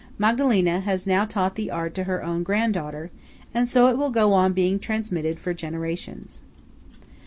Magdalena has now taught the art to her own grand daughter; and so it will go on being transmitted for generations.